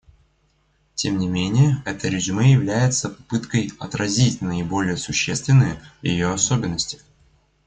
Тем не менее это резюме является попыткой отразить наиболее существенные ее особенности.